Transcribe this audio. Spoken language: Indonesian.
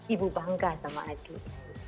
ibu bangga sama adit